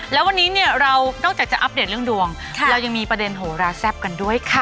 แล้ววันนี้เนี่ยเรานอกจากจะอัปเดตเรื่องดวงเรายังมีประเด็นโหราแซ่บกันด้วยค่ะ